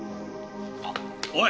あっおい。